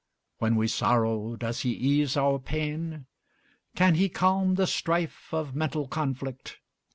When we sorrow, does he ease our pain? Can he calm the strife of mental conflict?